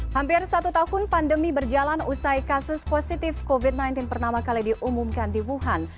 hampir satu tahun pandemi berjalan usai kasus positif covid sembilan belas pertama kali diumumkan di wuhan